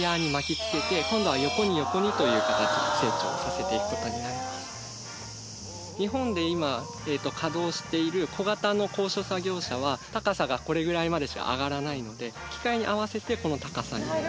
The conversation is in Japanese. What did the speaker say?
見て頂いている日本で今稼働している小型の高所作業車は高さがこれぐらいまでしか上がらないので機械に合わせてこの高さに。